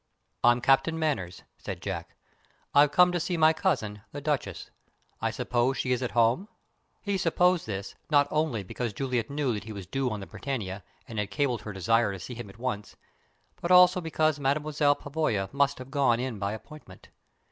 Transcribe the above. "I'm Captain Manners," said Jack. "I've come to see my cousin, the Duchess. I suppose she is at home?" He supposed this, not only because Juliet knew that he was due on the Britannia, and had cabled her desire to see him at once, but also because Mademoiselle Pavoya must have gone in by appointment.